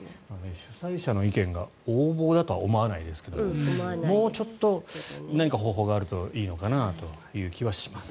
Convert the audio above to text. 主催者の意見が横暴だとは思わないですがもうちょっと、何か方法があるといいのかなという気はします。